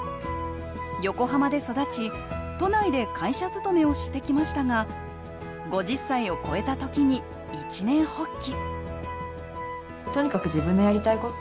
横浜で育ち都内で会社勤めをしてきましたが５０歳を超えた時に一念発起